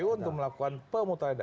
untuk melakukan pemutarian data